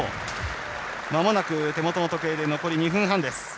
まもなく手元の時計で残り２分半。